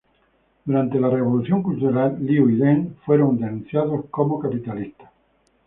Durante la Revolución Cultural, Liu y Deng fueron denunciados como capitalistas.